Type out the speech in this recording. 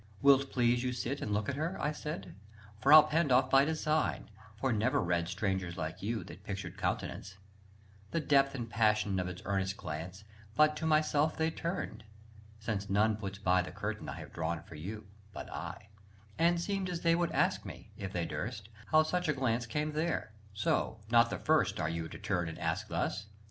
Will't please you sit and look at her? I said "Frà Pandolf" by design, for never read Strangers like you that pictured countenance, The depth and passion of its earnest glance, But to myself they turned (since none puts by The curtain I have drawn for you, but I) And seemed as they would ask me, if they durst, How such a glance came there; so, not the first Are you to turn and ask thus.